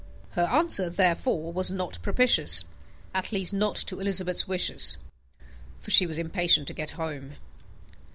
Her answer, therefore, was not propitious, at least not to Elizabeth's wishes, for she was impatient to get home.